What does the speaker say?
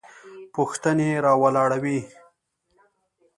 پوښتنې راولاړوي.